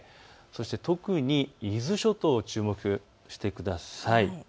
特に伊豆諸島を注目してください。